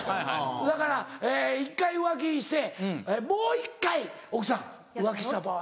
だから１回浮気してもう１回奥さん浮気した場合。